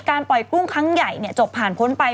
ปล่อยกุ้งครั้งใหญ่จบผ่านพ้นไป